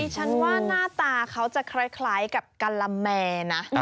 ฉันว่าหน้าตาเขาจะคล้ายกับกะละแมนะ